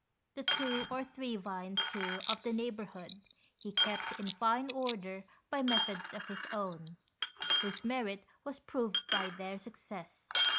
The two or three vines, too, of the neighbourhood, he kept in fine order by methods of his own, whose merit was proved by their success.